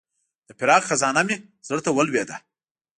د فراق خزانه مې زړه ته ولوېده.